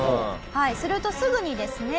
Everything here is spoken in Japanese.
するとすぐにですね